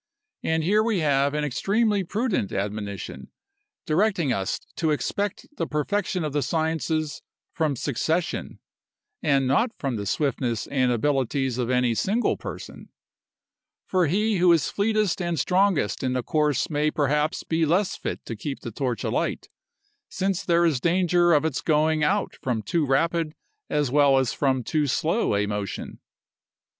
And here we have an extremely prudent admonition, directing us to expect the perfection of the sciences from succession, and not from the swiftness and abilities of any single person; for he who is fleetest and strongest in the course may perhaps be less fit to keep his torch alight, since there is danger of its going out from too rapid as well as from too slow a motion.